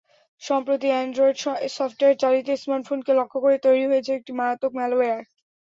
সম্প্রতি Android software চালিত স্মার্টফোনকে লক্ষ্য করে তৈরি হয়েছে একটি মারাত্মক ম্যালওয়্যার।